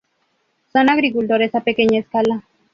Son agricultores a pequeña escala.